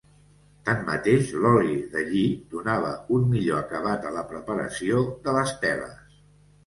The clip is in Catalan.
Tanmateix l’oli de lli donava un millor acabat a la preparació de les teles.